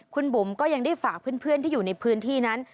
คุณบุ๋มก็ยังได้ฝากเพื่อนที่อยู่ในพื้นที่นั้น